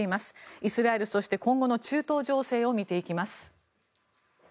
イスラエルそして、今後の中東情勢を見ていきます。